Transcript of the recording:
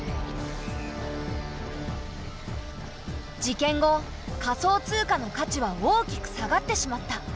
事件後仮想通貨の価値は大きく下がってしまった。